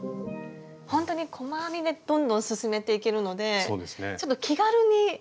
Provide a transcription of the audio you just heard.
ほんとに細編みでどんどん進めていけるのでちょっと気軽にできそうな気がしますね。